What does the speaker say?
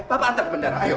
papa antar ke bendara ayo